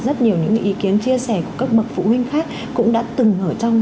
rất nhiều những ý kiến chia sẻ của các bậc phụ huynh khác cũng đã từng ở trong